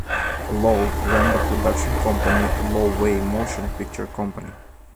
Lo ran the production company "Lo Wei Motion Picture Company".